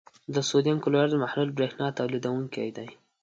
د سوډیم کلورایډ محلول برېښنا تیروونکی دی.